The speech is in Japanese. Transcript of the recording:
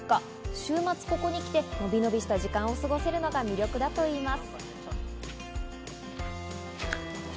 週末、ここにきて、伸び伸びした時間を過ごせるのが魅力といいます。